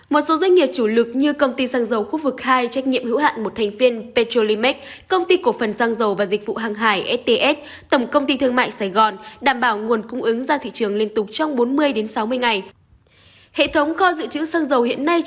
một số doanh nghiệp chủ lực như công ty xăng dầu khu vực hai trách nhiệm hữu hạn một thành viên petrolimax công ty cổ phần xăng dầu và dịch vụ hàng hải sts tổng công ty thương mại sài gòn đảm bảo nguồn cung ứng ra thị trường liên tục trong bốn mươi sáu mươi ngày